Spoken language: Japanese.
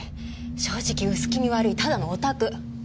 正直薄気味悪いただのオタク。